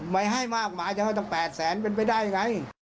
ไม่ให้มากหมายถึงต้องแปดแสนเป็นไปได้ไง